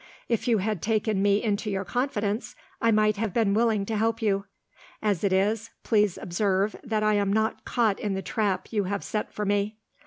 If you had taken me into your confidence, I might have been willing to help you. As it is, please observe that I am not caught in the trap you have set for me.